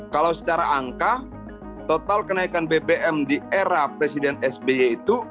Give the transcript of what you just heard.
kalau secara angka total kenaikan bbm di era presiden sby itu rp empat enam ratus sembilan puluh